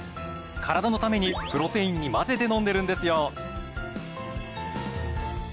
カラダのためにプロテインに混ぜて飲んでるんですよ。